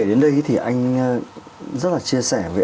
đến đấy thì anh ạ ở cho nó chia sẻ a